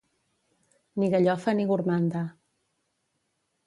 Ni gallofa ni gormanda.